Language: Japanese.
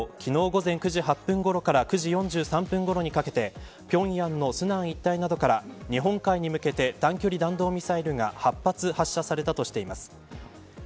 韓国軍によりますと、昨日午前９時８分ごろから９時４３分ごろにかけて平壌の順安一帯などから日本海に向けて短距離弾道ミサイルが８発、発射されたとしています。